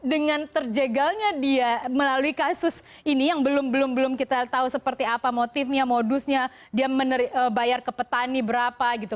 dengan terjegalnya dia melalui kasus ini yang belum belum kita tahu seperti apa motifnya modusnya dia bayar ke petani berapa gitu